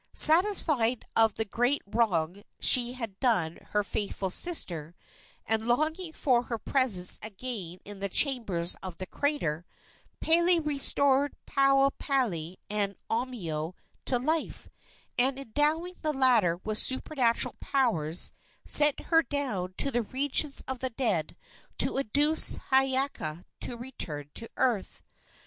Satisfied of the great wrong she had done her faithful sister, and longing for her presence again in the chambers of the crater, Pele restored Pauo palae and Omeo to life, and, endowing the latter with supernatural powers, sent her down to the regions of the dead to induce Hiiaka to return to earth.